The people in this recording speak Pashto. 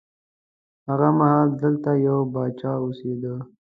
هغه مهال دلته یو پاچا اوسېده.